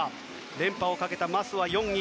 連覇をかけたマスは４位。